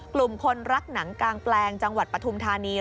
กลุ่มคนรักหนังกางแปลงจังหวัดปฐุมธานี